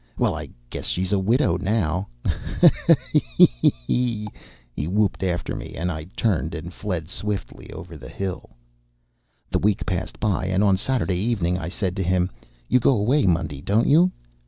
Well, I guess she's a widow now. Oh! Ho! ho! E! he! he! Ho!" he whooped after me, and I turned and fled swiftly over the hill. The week passed by, and on Saturday evening I said to him, "You go away Monday, don't you?"